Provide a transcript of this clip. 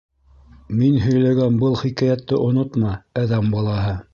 Мин һөйләгән был хикәйәтте онотма, әҙәм балаһы!